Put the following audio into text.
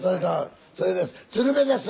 それです。